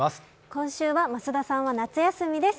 今週は増田さんは夏休みです。